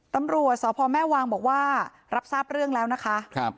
ตำรวจสพแม่วางบอกว่ารับทราบเรื่องแล้วนะคะ